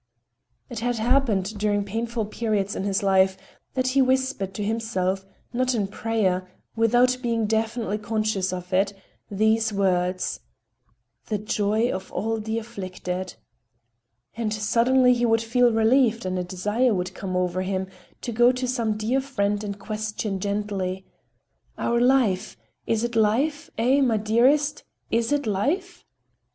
It had happened, during painful periods in his life, that he whispered to himself, not in prayer, without being definitely conscious of it, these words: "The joy of all the afflicted"—and suddenly he would feel relieved and a desire would come over him to go to some dear friend and question gently: "Our life—is this life? Eh, my dearest, is this life?"